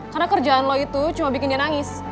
karena kerjaan lu itu cuma bikin dia nangis